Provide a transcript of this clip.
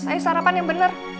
ayo sarapan yang bener